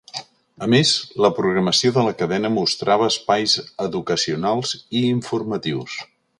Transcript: A més, la programació de la cadena mostrava espais educacionals i informatius.